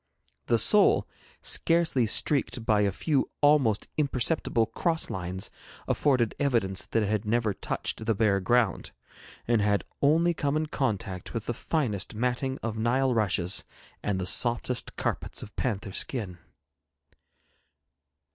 The sole, scarcely streaked by a few almost imperceptible cross lines, afforded evidence that it had never touched the bare ground, and had only come in contact with the finest matting of Nile rushes and the softest carpets of panther skin.